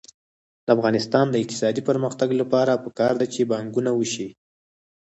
د افغانستان د اقتصادي پرمختګ لپاره پکار ده چې پانګونه وشي.